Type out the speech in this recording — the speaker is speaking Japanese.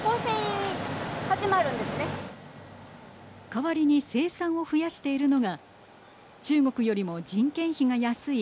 代わりに生産を増やしているのが中国よりも人件費が安い